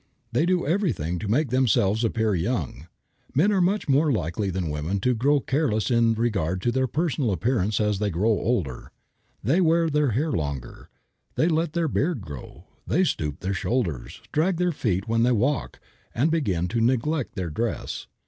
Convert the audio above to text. They do everything to make themselves appear young. Men are much more likely than women to grow careless in regard to personal appearance as they grow older. They wear their hair longer, they let their beard grow, they stoop their shoulders, drag their feet when they walk, and begin to neglect their dress.